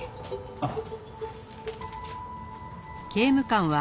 あっ。